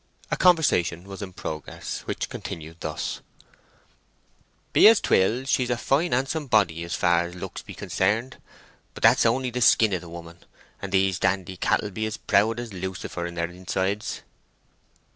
A conversation was in progress, which continued thus:— "Be as 'twill, she's a fine handsome body as far's looks be concerned. But that's only the skin of the woman, and these dandy cattle be as proud as a lucifer in their insides."